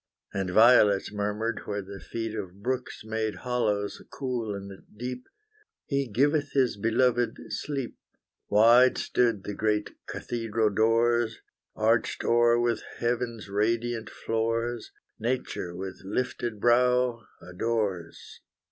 And violets murmured where the feet Of brooks made hollows cool and deep; He giveth His beloved sleep. Wide stood the great cathedral doors, Arched o'er with heaven's radiant floors; Nature, with lifted brow, adores.